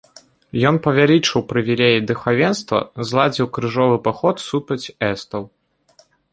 Ён павялічыў прывілеі духавенства, зладзіў крыжовы паход супраць эстаў.